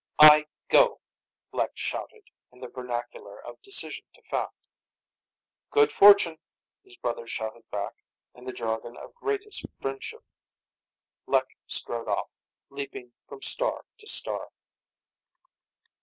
"I go!" Lek shouted, in the vernacular of decision to fact. "Good fortune!" his brothers shouted back, in the jargon of greatest friendship. Lek strode off, leaping from star to star.